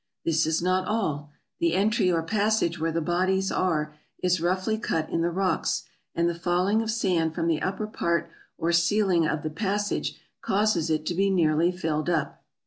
This is not all ; the entry or passage where the bodies are is roughly cut in the rocks, and the falling of sand from the upper part or ceiling of the passage causes it to be nearly filled up.